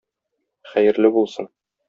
Хәерле булсын.